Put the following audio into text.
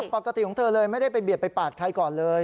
ปกติของเธอเลยไม่ได้ไปเบียดไปปาดใครก่อนเลย